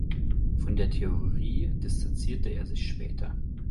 Von der Theorie distanzierte er sich später.